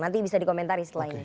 nanti bisa dikomentari setelah ini